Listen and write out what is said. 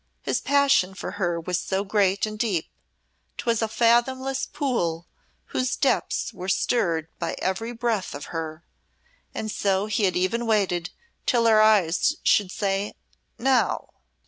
His passion for her was so great and deep, 'twas a fathomless pool whose depths were stirred by every breath of her, and so he had even waited till her eyes should say "Now!"